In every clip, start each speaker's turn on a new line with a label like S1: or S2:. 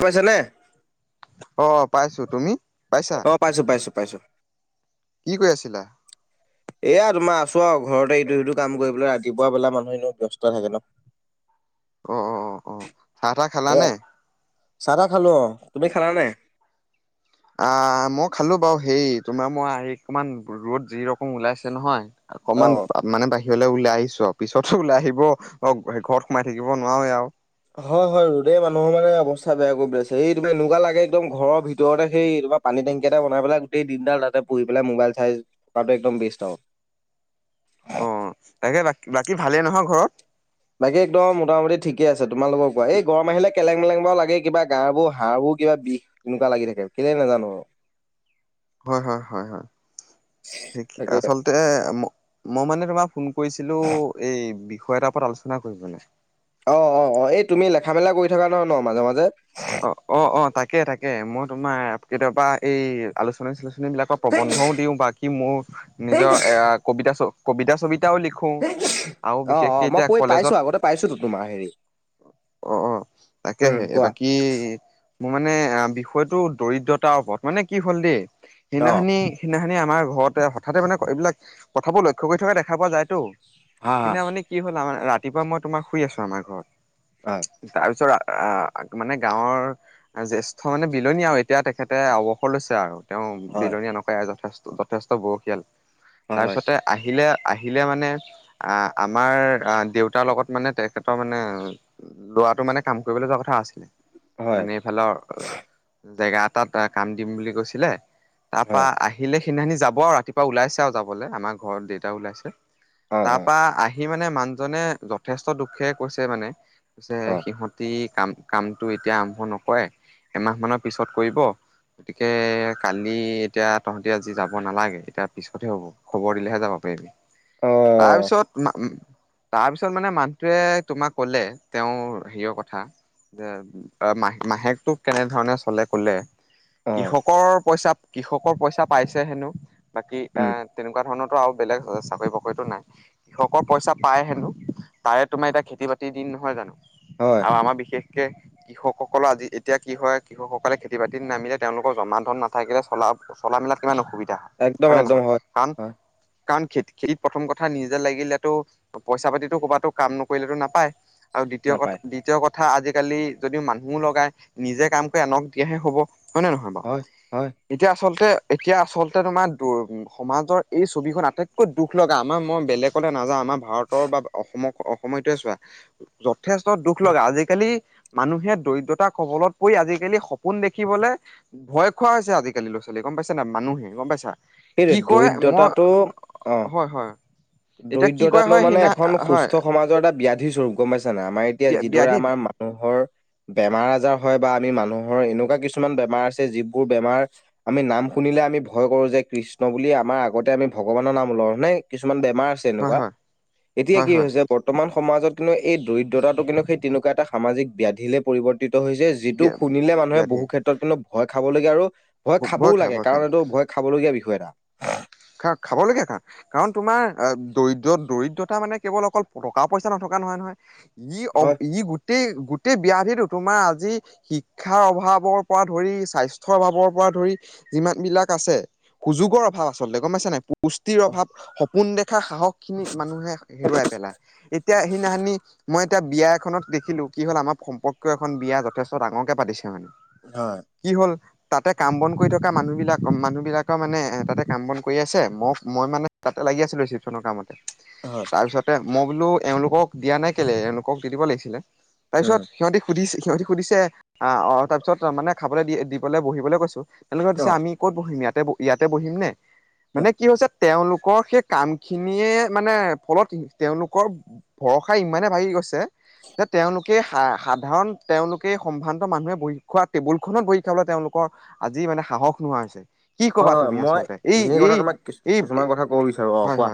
S1: পইচা নে?
S2: অঁ পাইছো তুমি পাইছা?
S1: অঁ পাইছো পাইছোঁ পাইছোঁ।
S2: কি কই আছিলা?
S1: এইয়া তোমাৰ আছো আৰু ঘৰতে ইটো সিটো কাম কৰি পেলাই ৰাতিপুৱা বেলা মানুহ এনেইও ব্যস্ত থাকে ন'
S2: অ' অ' অ' অ' চাহ তাহ খালা নে?
S1: সেয়াই চাহ তাহ খালো অঁ তুমি খালা নাই?
S2: আহ, মই খালো বাৰু হেই তোমাৰ মই আজি অকন ৰ'দ যি ৰকম ওলাইছে নহয় অমান
S1: অ'।
S2: [inaudible] মানে বাহিৰলৈ ওলাই আহিছো আৰু পিছতো ওলাই আহিব ঘৰত সোমাই থাকিব নোৱাৰেই আৰু
S1: হয় হয় ৰ'দে মানুহৰ মানে অৱস্থা বেয়া কৰি পাইছে এই তুমি এনেকুৱা লাগে একদম ঘৰৰ ভিতৰতে সেই তোমাৰ পানী টেংকি এটা বনাই পেলাই গোটেই দিনডাল তাতে পৰি পেলাই মোবাইল চাই থকাটো একদম বেষ্ট আৰু
S2: অ', অ' তাকে বাকী বাকী ভালেই নহয় ঘৰত
S1: বাকী একদম মোটামুটি ঠিকে আছে তোমালোকৰ কোৱা এই গৰম আহিলে কেলেং-মেলেং লাগে কিবা গা বোৰ হাৰবোৰ কিবা বিষ তেনেকুৱা লাগি থাকে কেলেই নাজানো আৰু
S2: হয়, হয়, হয়
S1: তাকে
S2: আচলতে মই মানে তোমাক ফোন কৈছিলো এই বিষয় এটাৰ ওপৰত আলোচনা কৰিবলৈ
S1: অ', অ', অ' এই তুমি লেখা মেলা কৰি থাকা নহয় ন মাজে মাজে
S2: অ', অ', অ' তাকে তাকে মই তোমাৰ কেতিয়াবা এই আলোচনী -চালোচনী বিলাকক
S1: মাজে?
S2: প্ৰবন্ধও দিওঁ বাকী মোৰ নিজৰ কবিতা কবিতা-চবিতাও লিখো
S1: [unintelligible]
S2: আৰু
S1: অ',
S2: বিশেষকে
S1: অ' মই
S2: এতিয়া
S1: পঢ়ি পাইছো
S2: কলেজত
S1: আগতে পাইছোতো তোমাৰ হেৰি
S2: অ' অ'
S1: উম
S2: তাকেহে
S1: কোৱা
S2: এইবাকী কি মোৰ মানে আহ বিষয়টো দৰিদ্ৰতাৰ ওপৰত মানে কি হ'ল দেই
S1: অ
S2: সেইদিনাখনি, সেইদিনাখনি আমাৰ ঘৰতে হঠাতে মানে এইবিলাক কথাবোৰ লক্ষ্য কৰি থকা দেখা পোৱা যায়তো
S1: হা
S2: সেইদিনাখনি কি হ'ল আৰ ৰাতিপুৱা মই তোমাৰ শুই আছো আমাৰ ঘৰত
S1: হয়।
S2: তাৰপিছত মানে গাঁৱৰ জেষ্ঠ্য মানে বিলনী আৰু এতিয়া তেখেতে অৱসৰ লৈছে আৰু তেওঁ
S1: হয়
S2: বিলনী নকৰে যথেষ্ট যথেষ্ট বয়সীয়াল
S1: হয় হয়
S2: তাৰপিছতে আহিলে, আহিলে মানে আহ, আমাৰ দেউতাৰ লগত মানে তেখেতৰ মানে ল'ৰাটো মানে কাম কৰিবলৈ যোৱা কথা আছিল
S1: হয়
S2: মানে এইফালৰ জেগা এটাত কাম দিম বুলি কৈছিলে তাৰপৰা
S1: হয়
S2: আহিলে সেইদিনাখিনি যাব আৰু ৰাতিপুৱা ওলাইছে আৰু যাবলৈ আমাৰ ঘৰত দেউতা ওলাইছে
S1: হয় অ অ
S2: তাৰপৰা আহি মানে মানুহজনে যথেষ্ট দুখেৰে কৈছে মানে পিছে
S1: অ
S2: সিহঁতি কাম কামটো এতিয়া আৰম্ভ নকৰে এমাহ মানৰ পিছত কৰিব গতিকে কালি এতিয়া তহঁতি আজি যাব নালাগে এতিয়া পিছতহে হ'ব খবৰ দিলেহে যাব পাৰিবি
S1: অ
S2: তাৰপিছত মাতিলে তাৰপিছত মানে মানুহটোৱে তোমাক ক'লে তেওঁৰ হেৰিৰ কথা যে মাহ মাহেকটোক কেনেধৰণে চলে ক'লে,
S1: অ
S2: কৃষকৰ পইচা কৃষকৰ পইছা পাইছে হেনো বাকি এ,
S1: উম
S2: তেনেকুৱা ধৰণৰতো আৰু বেলেগ চাকৰি -বাকৰিটো নাই। কৃষকৰ পইচা পায় হেনো তাৰে তোমাৰ এতিয়া খেতি -বাতিৰ দিন নহয় জানো?
S1: হয়
S2: আৰু আমাৰ বিশেষকে কৃষকসকলৰ আজি এতিয়া কি হয় কৃষকসকলে খেতি বাতিত নামিলে তেওঁলোকৰ জমা ধন নাথাকিলে চলা চলা -মেলাত কিমান অসুবিধা!
S1: একদম একদম হয়।
S2: কাৰণ,
S1: হয়
S2: কাৰণ খেতি! খেতিত প্ৰথম কথা নিজে লাগিলেতো পইচা-পাতিতো ক'বাতটো কাম নকৰিলে নাপায়। আৰু দ্বিতীয় কথা,
S1: নাপায়
S2: দ্বিতীয় কথা আজিকালি যদিও মানুহো লগাই নিজে কাম কৰি আনক দিয়াহে হব। হয়নে নহয় বাৰু।
S1: হয় হয়
S2: এতিয়া আচলতে, এতিয়া আচলতে তোমাৰ সমাজৰ এই ছবিখন আটাইতকৈ দুখ লগা। আমাৰ মই বেলেগ বেলগলৈ নাযাও, আমাৰ ভাৰতৰ বা অসমক অসমৰটোৱে চোৱা, যথেষ্ট দুখ লগা। আজিকালি মানুহে দৰিদ্ৰতা কবলত পৰি, আজিকালি সপোন দেখিবলৈ ভয় খোৱা হৈছে। আজিকালি ল'ৰা- ছোৱালীয়ে গম পাইছানে নাই, মানুহে গম পাইছা।
S1: সেইটোৱে
S2: কি কয় মই
S1: দৰিদ্ৰতাটো অ।
S2: হয়- হয়। এতিয়া কি কয়
S1: দৰিদ্ৰতাটো
S2: হয়
S1: মানে
S2: সিদিনা
S1: এখন
S2: হয়
S1: সুস্থ সমাজৰ এটা ব্যাধি স্বৰূপ, গম পাইছানে নাই। আমাৰ এতিয়া যিদৰে
S2: ব্যাধি
S1: আমাৰ মানুহৰ
S2: [inaudible]
S1: বেমাৰ- আজাৰ হয়, বা আমি মানুহৰ এনেকুৱা কিছুমান বেমাৰ আছে। যিবোৰ বেমাৰ আমি নাম শুনিলে আমি ভয় কৰো যে কৃষ্ণ বুলি, আমাৰ আগতে আমি ভগৱানৰ নাম লও। হয়নে কৃষ্ণ কিছুমান বেমাৰ আছে
S2: হয়
S1: এনেকুৱা।
S2: হয়
S1: এতিয়া
S2: হয়
S1: কি
S2: হয়
S1: হৈছে বৰ্তমান সমাজত লৈ এই দৰিদ্ৰতাটো কিন্তু সেই তেনেকুৱা এটা সামাজিক ব্যাধিলে পৰিৱৰ্তিত হৈছে। যিটো শুনিলে মানুহে
S2: ব্যাধি
S1: বহু ক্ষেত্ৰত কিন্তু ভয় খাবলগীয়া। আৰু ভয় খাবও
S2: খা
S1: লাগে।
S2: ভয় খা
S1: কাৰণ এইটো ভয় খাবলগীয়া বিষয় এটা।
S2: খা- খাবলগীয়া। কাৰণ, তোমাৰ দৰিদ্ৰ- দৰিদ্ৰতা মানে কেৱল অকল টকা পইচা নথকা নহয়- নহয়। ই, অ
S1: হয়
S2: ই, গোটেই- গোটেই ব্যাধিতো তোমাৰ আজি শিক্ষাৰ অভাৱৰ পৰা ধৰি, স্বাস্থ্যৰ অভাৱৰ পৰা ধৰি, যিমান বিলাক আছে। সুযোগৰ অভাৱ। আচলতে গম পাইছা নাই। পুষ্টিৰ অভাৱ, সপোন দেখা সাহস খিনি মানুহে হেৰুৱাই পেলায়। এতিয়া সেইদিনাখনি মই এতিয়া বিয়া এখনত দেখিলো, কি হ'ল আমাৰ সম্পৰ্কীয় এখন বিয়া যথেষ্ট ডাঙৰকে পাতিছে মানে।
S1: হয়।
S2: কি হ'ল, তাতে কাম বন কৰি থকা মানুহ বিলাক, মানুহ বিলাকৰ মানে এ তাতে কাম বন কৰি আছে, মই- মই মানে তাতে লাগি আছিলো, ৰিচিপচনৰ কামতে।
S1: হয়
S2: তাৰপিছত মই বোলো এওঁলোকক দিয়া নাই কেলে? এওঁলোকক দি দিব লাগিছিলে, তাৰ
S1: উম
S2: পিছত সিহঁতি সুধিছে, সিহঁতি সুধিছে, আহ তাৰ পিছত মানে খাবলৈ দিবলৈ বহিবলৈ কৈছো। এনেকুৱা সুধিছে, আমি ক'ত বহিম? ইয়াতে- ইয়াতে বহিম নে
S1: অ
S2: মানে কি হৈছে, তেওঁলোকৰ সেই কাম খিনিয়ে মানে ফলত তেওঁলোকৰ ভৰষা ইমানে ভাগি গৈছে যে তেওঁলোকে সাধাৰণ তেওঁলোকে সম্ভ্ৰান্ত মানুহে বহি খোৱা টেবুলখনত বহি খাবলৈ তেওঁলোকৰ আজি মানে সাহস নোহোৱা হৈছে। কি কবা
S1: হয় হয়
S2: তুমি
S1: মই
S2: আচলতে? এই
S1: এইখিনি কথা
S2: এই
S1: তোমাক কিছু-
S2: এই
S1: কিছুমান কথা ক'ব বিচাৰোঁ। অঁ,
S2: হয়
S1: কোৱা?
S2: হয়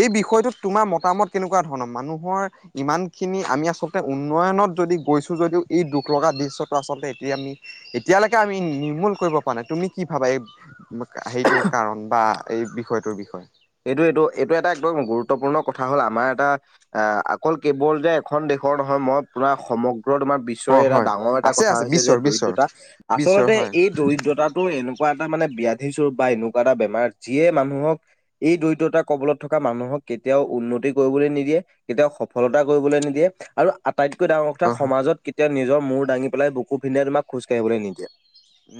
S2: এই বিষয়টোত তোমাৰ মতামত কেনেকুৱা ধৰণৰ মানুহৰ ইমান খিনি আমি আচলতে উন্নয়নত যদি গৈছো, যদিও এই দুখ লগা দৃশ্যটো আচলতে এতিয়া আমি এতিয়ালৈকে আমি নিৰ্মূল কৰিব পৰা নাই। তুমি কি ভাৱা? এই সেইটো কাৰণ বা এই বিষয়টোৰ বিষয়।
S1: এইটো- এইটো- এইটো এটা একদম গুৰুত্বপূৰ্ণ কথা হ'ল, আমাৰ এটা আহ, অকল কেৱল যে এখন দেশৰ নহয়, মই পুৰা সমগ্ৰ তোমাৰ বিশ্ব
S2: অ
S1: বিশ্বৰে এটা
S2: হয়
S1: ডাঙৰ এটা
S2: আছে
S1: কথা
S2: আছে
S1: হৈছে যে
S2: বিশ্বৰ বিশ্বৰ
S1: দৰিদ্ৰতা।
S2: বিশ্বৰ
S1: আচলতে
S2: হয়
S1: এই দৰিদ্ৰতাটো এনে এটা মানে ব্যাধি স্বৰূপ বা এনেকুৱা এটা বেমাৰ, যিয়ে মানুহক এই দৰিদ্ৰতাৰ কবলত থকা মানুহক কেতিয়াও উন্নতি কৰিবলৈ নিদিয়ে। কেতিয়াও সফলতা কৰিবলৈ নিদিয়ে, আৰু আটাইতকৈ ডাঙৰ কথা
S2: হয় হয়
S1: সমাজত কেতিয়া নিজৰ মূৰ দাঙি পেলাই, বুকু পিন্ধাই পেলাই তোমাক খোজ কাঢ়িবলৈ নিদিয়ে।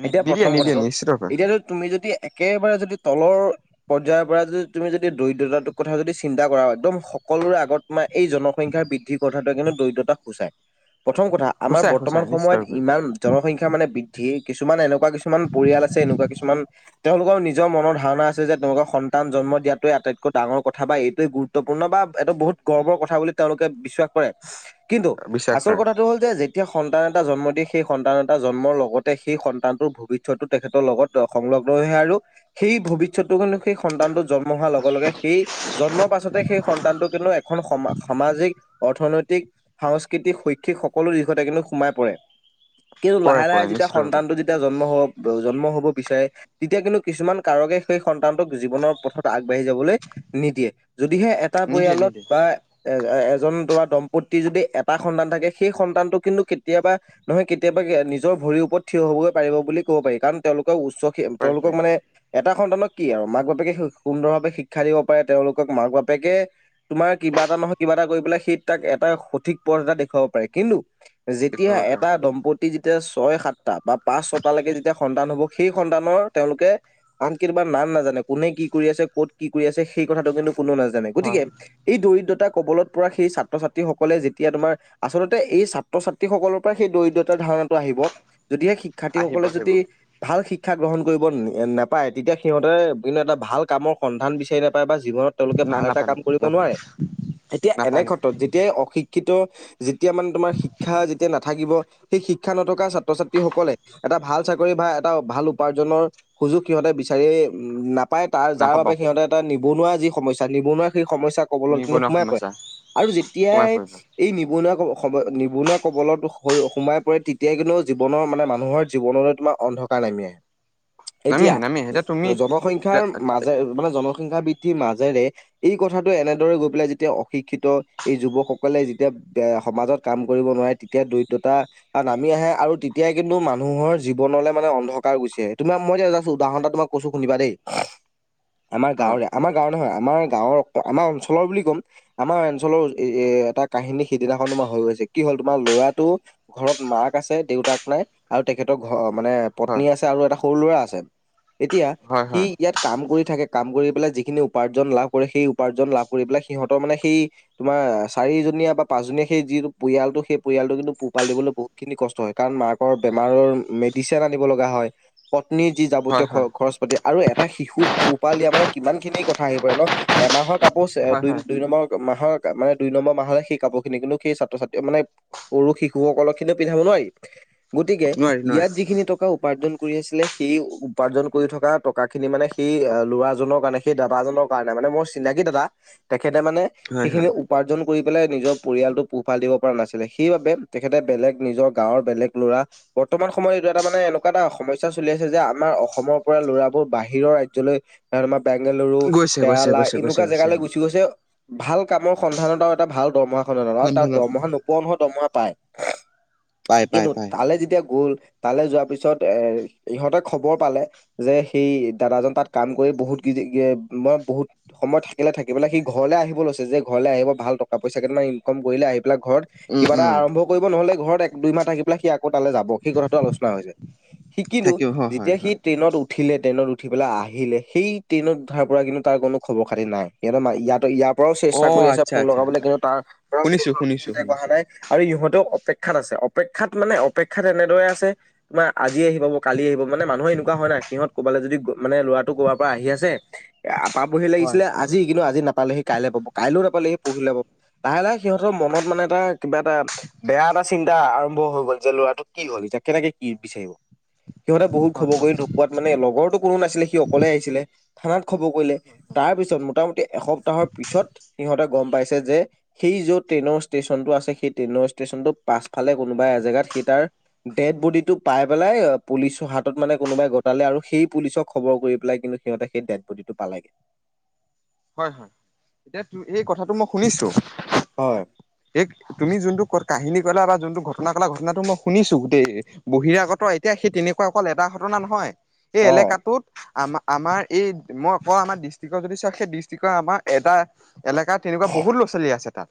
S2: নি
S1: এতিয়া
S2: নিদিয়ে
S1: প্ৰথম
S2: নিদিয়ে
S1: কথাটো,
S2: নিশ্চিত ৰূপে
S1: এতিয়া তুমি যদি একেবাৰে যদি তলৰ পৰ্য্যায়ৰ তুমি যদি দৰিদ্ৰতাটোৰ কথা যদি চিন্তা কৰা একদম সকলোৰে আগত মই এই জনসংখ্যা বৃদ্ধি কথাটো কিন্তু দৰিদ্ৰতাক সূচাই, প্ৰথম কথা আমাৰ
S2: সূচাই
S1: বৰ্তমান
S2: সূচাই নিশ্চিত
S1: সময়ত
S2: ৰূপে
S1: ইমান জনসংখ্যা মানে বৃদ্ধি কিছুমান এনেকুৱা কিছুমান পৰিয়াল আছে এনেকুৱা কিছুমান তেওঁলোকৰ নিজৰ মনৰ ধাৰণা আছে যে তেওঁলোকৰ সন সন্তান জন্ম দিয়াটোৱ আটতকৈ ডাঙৰ কথা বা এইটোৱেই গুৰুত্বপূৰ্ণ বা এইটো বহুত গৰ্বৰ কথা বুলি তেওঁলোকে বিশ্বাস কৰে।
S2: [inaudible]
S1: কিন্তু,
S2: বিশ্বাস
S1: আচল
S2: কৰে
S1: কথা টো হ'ল যেতিয়া সন্তান এটা জন্ম দি সেই সন্তান এটা জন্মৰ লগতে সেই সন্তানটোৰ ভৱিষ্যটো তেখেতৰ লগত সংলগ্ন হৈ আহে আৰু সেই ভৱিষ্যত কাৰণে সেই সন্তানটো জন্ম হোৱাৰ লগে, লগে সেই জন্মৰ পাছতে সেই সন্তানটো কিন্তু এখন সম সামাজিক, অৰ্থনৈতিক সাংস্কৃতিক, শৈক্ষিক সকলো দিশতে কিন্তু সোমাই পৰে কিন্তু
S2: পৰে
S1: লাহে, লাহে
S2: পৰে
S1: যেতিয়া
S2: নিশ্চিত ৰূপে
S1: সন্তানটো যি জন্ম হ জন্ম হ'ব বিচাৰে তেতিয়া কিন্তু কিছুমান কাৰকে সেই সন্তানটোক জীৱনৰ পথত আগবাঢ়ি যাবলৈ নিদিয়ে যদিহে এটা
S2: নিদিয়ে
S1: পৰিয়ালত
S2: নিদিয়ে
S1: বা এ এজন তোমাৰ দম্পত্তি যদি এটা সন্তান থাকে সেই সন্তানটো কিন্তু কেতিয়াবা নহয় কেতিয়াবা নিজৰ ভৰিৰ ওপৰত থিয় হবৈ পাৰিব বুলি ক'ব পাৰি কাৰণ তেওঁলোকৰ উচ্চ
S2: পাৰে
S1: তেওঁলোকক মানে এটা সন্তানক কি আৰু মাক বাপেকে সুন্দৰভাৱে শিক্ষা দিব পাৰে তেওঁলোকক মাক বাপেকে তোমাৰ কিবা এটা নহয় কিবা এটা কৰি পেলাই সেই তাক এটা সঠিক পথ এটা দেখুৱাব পাৰে কিন্তু যেতিয়া
S2: পাৰে
S1: এটা দম্পতি যেতিয়া ছয় সাতটা বা পাঁচ ছয়টালৈকে যেতিয়া সন্তান হ'ব সেই সন্তানৰ তেওঁলোকে আন কিবা নাম নাজানে কোনে কি কৰি আছে, ক'ত কি কৰি আছে সেই কথাটো কিন্তু কোননেো নাজানে, গতিকে
S2: হয়
S1: এই দৰিদ্ৰতা কবলত পৰা সেই ছাত্ৰ-ছাত্ৰীসকলে যেতিয়া তোমাৰ আচলতে এই ছাত্ৰ-ছাত্ৰীসকলৰ পৰা সেই দৰিদ্ৰতাৰ ধাৰণটো আহিব যদিহে
S2: আহিব
S1: শিক্ষাৰ্থীসকলে
S2: আহিব
S1: যদি ভাল শিক্ষা গ্ৰহণ কৰিব নাপায়, তেতিয়া সিহঁতে কিন্তু এটা ভাল কামৰ সন্ধান বিচাৰি নাপায় বা জীৱনত তেওঁলোকে
S2: না
S1: ভাল এটা
S2: নাপায়
S1: কাম কৰিব
S2: নাপায়
S1: নোৱাৰে, এতিয়া এনে
S2: নাপায় নাপায় নাপায়
S1: ক্ষেত্ৰত যেতিয়াই অশিক্ষ শিক্ষিত যেতিয়া মানে তোমাৰ শিক্ষা যেতিয়া নাথাকিব সেই শিক্ষা নথকা ছাত্ৰ-ছাত্ৰীসকলে এটা ভাল চাকৰি বা এটা ভাল উপাৰ্জনৰ সুযোগ সিহঁতে বিচাৰিয়েই উম নাপাই তাৰ যাৰ
S2: নাপাব
S1: বাবে সিহঁতে এটা নিবনুৱা যি সমস্যা নিবনুৱা সেই সমস্যা কবল
S2: নিবনুৱা
S1: সোমাই পৰে
S2: সমস্যা
S1: আৰু
S2: সোমাই
S1: যেতিয়াই
S2: পৰিব
S1: এই নিবনুৱা, নিবনুৱা কবলত সোমাই পৰে তেতিয়াই কিন্তু জীৱনৰ মানে মানুহৰ জীৱনলৈ তোমাৰ অন্ধকাৰ নামি আহে।
S2: [inaudible] নামি
S1: এতিয়া
S2: আহে নামি আহে এতিয়া তুমি
S1: জনসংখ্যাৰ মাজে মানে জনসংখ্যা বৃদ্ধিৰ মাজেৰে এই কথাটো এনেদৰে গৈ পেলাই যেতিয়া অশিক্ষিত এই যুৱকসকলে যেতিয়া সমাজত কাম কৰিব নোৱাৰে তেতিয়া দৰিদ্ৰতা নামি আহে আৰু তেতিয়াই কিন্তু মানুহৰ জীৱনলৈ মানে অন্ধকাৰ গুছি আহে, তোমাক মই জাষ্ট এটা উদাহৰণটা তোমাক কৈছোঁ শুনিবা দেই আমাৰ
S2: হয়
S1: গাঁৱৰে আমাৰ গাঁৱৰ নহয় আমাৰ গাঁৱৰ আমাৰ অঞ্চলৰ বুলি ক'ম। আমাৰ অঞ্চলৰ এ, এ এটা কাহিনী সিদিনাখন তোমাৰ হৈ গৈছে কি হল তোমাৰ ল'ৰাটো ঘৰত মাক আছে, দেউতাক নাই আৰু তেখেতৰ ঘৰ মানে
S2: হয়
S1: পত্নী আছে, আৰু এটা সৰু ল'ৰা আছে এতিয়া
S2: হয়
S1: সি
S2: হয়
S1: ইয়াত কাম কৰি থাকে কাম কৰি পেলাই যিখিনি উপাৰ্জন লাভ কৰে সেই উপাৰ্জন লাভ কৰি পেলাই সিহঁতৰ মানে সেই তোমাৰ চাৰিজনীয়া বা পাঁচজনীয়া সেই যি পৰিয়ালটো সেই পৰিয়ালটো কিন্তু পোহ পাল দিবলৈ বহুত খিনি কষ্ট হয় কাৰণ মাকৰ বেমাৰৰ মেডিচিন আনিব লগা হয় পত্নীৰ যি যাৱতীয়
S2: হয় হয়
S1: খৰচ পাতি আৰু এটা শিশুক পোহপাল দিয়া মানে কিমান খিনি কথা আহি পৰে ন এমাহৰ কাপোৰ
S2: হয়
S1: দুই
S2: হয়
S1: দুই নম্বৰ মাহৰ মানে, দুই নম্বৰ মাহলৈ সেই কাপোৰখিনি কিন্তু সেই ছাত্ৰ ছাত্ৰীয়ে মানে সৰু শিশুসকলক কিন্ত পিন্ধাব নোৱাৰি। গতিকে
S2: নোৱাৰি নোৱাৰি
S1: ইয়াত যিখিনি টকা উপাৰ্জন কৰি আছিলে সেই উপাৰ্জন কৰি থকা টকা খিনি মানে, সেই ল'ৰাজনৰ কাৰণে, সেই দাদাজনৰ কাৰণে মানে মোৰ চিনাকি দাদা। তেখেতে মানে
S2: হয়
S1: সেইখিনি
S2: হয়
S1: উপাৰ্জন কৰি পেলাই নিজৰ পৰিয়ালটো পোহপাল দিব পৰা নাছিলে। সেইবাবে তেখেতে বেলেগ নিজৰ গাঁৱৰ বেলেগ ল'ৰা বৰ্তমান সময়ত এইটো এটা মানে এনেকুৱা এটা সমস্যা চলি আছে যে আমাৰ অসমৰ পৰা ল'ৰাবোৰ বাহিৰৰ ৰাজ্যলৈ আমাৰ বেংগালুৰু
S2: গৈছে গৈছে
S1: কেৰালা
S2: গৈছে গৈছে
S1: এনেকুৱা
S2: গৈছে
S1: জেগালৈ
S2: অ
S1: গুচি গৈছে। ভাল কামৰ সন্ধানত আৰু এটা ভাল দৰমহা খনৰ এটা আৰু তাৰ
S2: সন্ধানত
S1: দৰমহা নোপোৱা নহয় দৰমহা পায়।
S2: পাই পাই
S1: কিন্তু
S2: পাই
S1: তালৈ যেতিয়া গ'ল, তালৈ যোৱাৰ পিছত এ ইহঁতে খবৰ পালে যে সেই দাদাজন তাত কাম কৰি বহুত মই বহুত সময়ত থাকিলে থাকি পেলাই সি ঘৰলে আহিব লৈছে যে ঘৰলৈ আহিব ভাল টকা পইচা কেইটামান ইনকম কৰিলে আহি পেলাই ঘৰত
S2: উম
S1: কিবা এটা
S2: উম
S1: আৰম্ভ কৰিব নহলে ঘৰত এক দুইমাহ থাকি পেলাই সি আকৌ তালৈ যাব সেই কথাটো আলোচনা হৈছে। সিকিলো
S2: থাকিব হয় হয়
S1: যেতিয়া সি
S2: হয়
S1: ট্ৰেইনত উ উঠিলে ট্ৰেইনত উঠি পেলাই আহিলে সেই ট্ৰেইনত উঠাৰ পৰা কিন্তু তাৰ কোনো খবৰ খাতি নাই সিহঁতে ইয়াতো ইয়াৰ ঘৰৰ পৰাও
S2: অ
S1: চেষ্টা কৰি আছে
S2: আচ্ছা
S1: ফোন
S2: আচ্ছা
S1: লগাবলৈ কিন্তু তাৰ পৰা কোনো
S2: শুনিছো
S1: ধৰণৰ
S2: শুনিছো
S1: কনতেক অহা
S2: শুনিছো
S1: নাই। আৰু ইহঁতেও অপেক্ষাত আছে অপেক্ষাত মানে, অপেক্ষাত এনেদৰে আছে তোমাৰ আজি আহি পাব কালি আহিব। মানে মানুহৰ এনেকুৱা হয় নাই সিহঁত ক'বালৈ যদি মানে ল'ৰাটো কৰবাৰ পৰা আহি আছে আহ পাবহি
S2: হয়
S1: লাগিছিলে আজি কিন্তু আজি নাপালেহি কাইলৈ পাব কাইলৈও নাপালেহি পৰহিলে পাব। লাহে লাহে সিহঁতৰ মনত মানে এটা কিবা এটা বেয়া এটা চিন্তা আৰম্ভ হৈ গ'ল যে ল'ৰাটো কি হল কেনেকে কি বিচাৰিব? সিহঁতে বহুত
S2: হয়
S1: খবৰ কৰি নোপোৱাত মানে লগৰোটো কোনো নাছিলে সি অকলে আহিছিলে। থানাত খবৰ কৰিলে। তাৰ পিছত মোটামুটি এসপ্তাহৰ পিছত সিহঁতে গম পাইছে যে সেই যত ট্ৰেইনৰ ষ্টেচনটো আছে সেই ট্ৰেইনৰ ষ্টেচনটো পাছফালে কোনোবা এজেগাত সেই তাৰ ডেড বডিটোক পাই পেলাই পুলিচৰ হাতত মানে কোনোবাই গো গতালে আৰু সেই পুলিচক খবৰ কৰি পেলাই কিন্তু সিহঁতে সেই ডেট বডিটো পালে।
S2: হয় হয়। এই কথাটো মই শুনিছোঁ।
S1: হয়
S2: এই তুমি যোনটো ক কাহিনী কলা বা যোনটো ঘটনা কলা ঘটনাটো মই শুনিছো গোটেই। বহিৰাগত এতিয়া সেই তেনেকুৱা অকল এটা ঘটনা নহয়। এই
S1: অ
S2: এলেকাটোত আম আমাৰ এই মই কওঁ আমাৰ ডিষ্ট্ৰিকৰ যদি চাওঁ সেই ডিচ আমাৰ এটা এলেকা তেনেকুৱা বহুত ল'ৰা ছোৱালী আছে তাত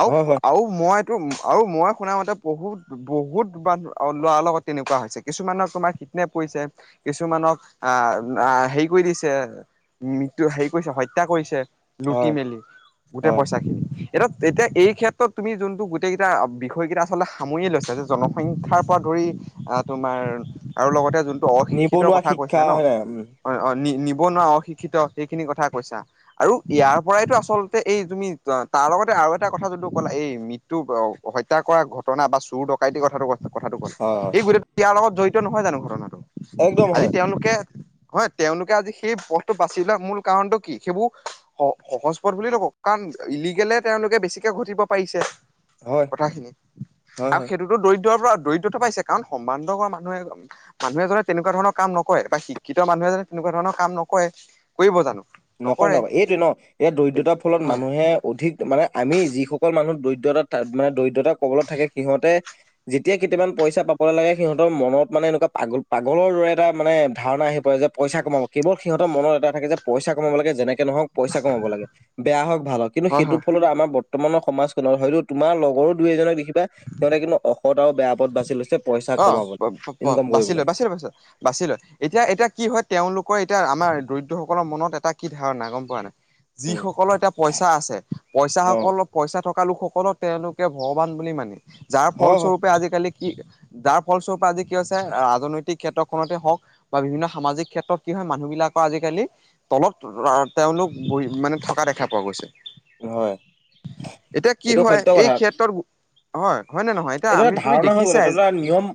S2: আৰু
S1: হয় হয়
S2: আৰু মইটো আৰু মই শুনা মতে বহুত বহুতবাৰ আৰু ল'ৰাৰ লগত তেনেকুৱা হৈছে কিছুমানে তোমাৰ কিডনেপ কৰিছে কিছুমানক আহ হেৰি কৰি দিছেঁ মৃত্যু হেৰি কৰিছে হত্যা কৰিছে লুটি
S1: হয়
S2: মেলি গোটেই
S1: হয়
S2: পইচা খিনি। এতিয়া এতিয়া এই ক্ষেত্ৰত তুমি যোনটো গোটেইকেইটা বিষয়কেইটা আচলতে সামৰিয়ে লৈছা যে জনসংখ্যাৰ পৰা ধৰি আৰু তোমাৰ আৰু লগতে যোনটো অশিক্ষিতৰ
S1: নিবনুৱা
S2: কথা
S1: শিক্ষা
S2: কৈছা ন
S1: হয় নাই উম
S2: হয় অ নি নিবনুৱা অশিক্ষিত সেইখিনি কথা কৈছা। আৰু ইয়াৰ পৰাইতো আচলতে এই তুমি তাৰ লগতে আৰু এটা কথা জোনটো ক'লা এই মৃত্যু হত্যা কৰা ঘটনা বা চুৰ ডকাইটি কথাটো কৈছা। কথাটো ক'লা
S1: হয় হয়
S2: এই গোটেইটো ইয়াৰ লগত জড়িত নহয় জানো ঘটনাটো
S1: একদম
S2: আজি
S1: হয়
S2: তেওঁলোকে হয় তেওঁলোকে আজি সেই পথটো বাচি লোৱা মূল কাৰণটো কি সেইবোৰ সহজ পথ বুলি নকওঁ কাৰণ ইলিগেলে তেওঁলোকে বেছিকে ঘটিব পাৰিছে।
S1: হয়
S2: কথাখিনি
S1: হয়
S2: আৰু
S1: হয়
S2: সেইটোতো দৰিদ্ৰৰ পৰা দৰিদ্ৰতা পাইছে কাৰণ সম্ভান্ধ হোৱা মানুহে মানুহ এজনে তেনেকুৱা ধৰণৰ কাম নকৰে বা শিক্ষিত মানুহেজনে তেনেকুৱা ধৰণৰ কাম নকৰে, কৰিব জানো?
S1: নকৰে, নকৰে এইটোৱে ন, এই দৰিদ্ৰতাৰ ফলত
S2: হয়
S1: মানুহে অধিক মানে আমি যিসকল মানুহ দৰিদ্ৰতা মানে দৰিদ্ৰতা কবলত থাকে সিহঁতে যেতিয়া কেইটামান পইচা পাবলৈ লাগে, সিহঁতৰ মনত মানে এনেকুৱা পাগল-পাগলৰ দৰে এটা মানে ধাৰণা আহি পৰে যে পইচা কমাব, কেৱল সিহঁৰ মনত এটা থাকে যে পইচা কমাব লাগে, যেনেকে নহওঁক পইচা কামাব লাগে, বেয়া হওঁক, ভাল হওঁক, কিন্তু
S2: হয়
S1: সেইটো
S2: হয়
S1: ফলত আমাৰ ব বৰ্তমানৰ সমাজখনত হয়তো তোমাৰ লগৰো দুই এজনক দেখিবা সিহঁতে কিন্তু অসদ আৰু বেয়া পথ বাচি লৈছে। পইচা
S2: অ,
S1: কমাবলৈ ইনকাম
S2: বাচি
S1: কৰিবলৈ
S2: লৈ, বাচি লৈ। বাছি লয়, এতিয়া-এতিয়া কি হয় তেওঁলোকৰ এতিয়া আমাৰ দৰিদ্ৰ সকলৰ মনত এটা কি ধাৰণা গম পোৱা নাই?
S1: উম
S2: যিসকলৰ এতিয়া পইচা আছে, পইচা
S1: অ
S2: সকলৰ পইচা থকা লোকসকলক, তেওঁলোকে ভগৱান বুলি মানে যাৰ
S1: হয় হয়
S2: ফলস্বৰূপে আজিকালি কি যাৰ ফলস্বৰূপে আজি কি হৈছে, ৰাজনৈতিক ক্ষেত্ৰখনতে হওঁক। বা বিভিন্ন সামাজিক ক্ষেত্ৰত কি হয় মানুহ বিলাকৰ আজিকালি তলত, তেওঁলোক বহি মানে থকা দেখা পোৱা গৈছে।
S1: হয়
S2: এতিয়া কি
S1: এইটো
S2: হয়,
S1: সত্য
S2: এই
S1: কথা
S2: ক্ষেত্ৰত হয়, হয়নে নহয়? এতিয়া,
S1: এইটো এটা
S2: আমি তুমি
S1: ধাৰণা হৈ গ'ল এইটো এটা
S2: দেখিছাই।
S1: নিয়ম